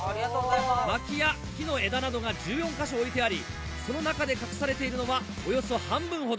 薪や木の枝などが１４カ所置いてありその中で隠されているのはおよそ半分ほど。